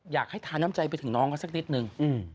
อยากให้ทาน้ำใจไปถึงน้องสักนิดหนึ่ง